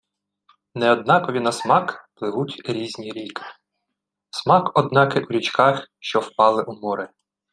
Неоднакові на смак пливуть різні ріки... Смак однакий у річках, що впали у море.